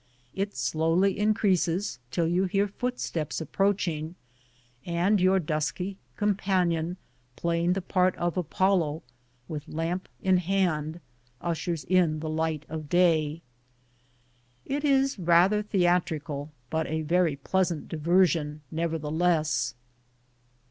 It slowly increases till you hear footsteps approach ing, and your dusky companion, playing the part of Apollo, wath lamp in hand ushers in the light of day. It is rather theatrical, but a very pleasant diversion nevertheless.